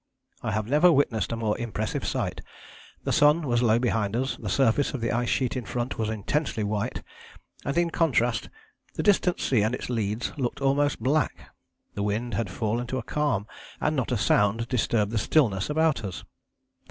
"I have never witnessed a more impressive sight; the sun was low behind us, the surface of the ice sheet in front was intensely white, and in contrast the distant sea and its leads looked almost black. The wind had fallen to a calm, and not a sound disturbed the stillness about us.